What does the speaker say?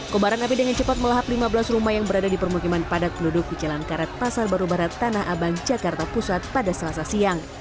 kobaran api dengan cepat melahap lima belas rumah yang berada di permukiman padat penduduk di jalan karet pasar baru barat tanah abang jakarta pusat pada selasa siang